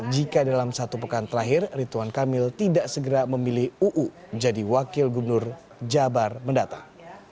jika dalam satu pekan terakhir rituan kamil tidak segera memilih uu jadi wakil gubernur jabar mendatang